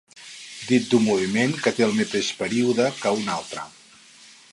Dit d'un moviment que té el mateix període que un altre.